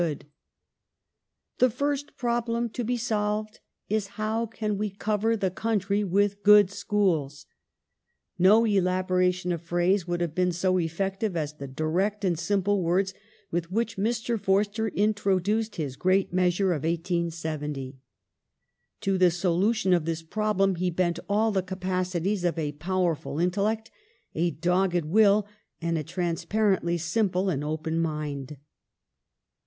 The Edu "The first problem to be solved is 'how can we cover the cation Bill country with good schools ?*" No elaboration of phrase would have been so effective as the direct and simple words with which Mi*. Forster introduced his great measure of 1870. To the solution of this problem he bent all the capacities of a powerful intellect, a dogged will, and a transparently simple and open mind.